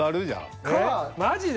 マジで？